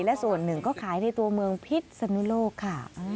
และส่วนหนึ่งก็ขายในตัวเมืองพิษสนุโลกค่ะ